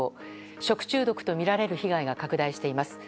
食中毒とみられる被害が拡大しています。